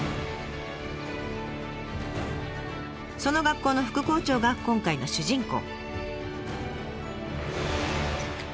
その学校の副校長が今回の主人公。